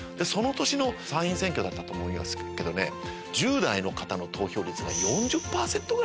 その年の参院選挙だったと思いますけど１０代の方の投票率が。